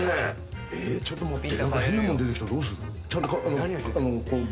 えっちょっと待って。